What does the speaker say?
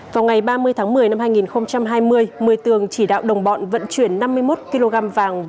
vào ngày ba mươi tháng một mươi năm hai nghìn hai mươi một mươi tường chỉ đạo đồng bọn vận chuyển năm mươi một kg vàng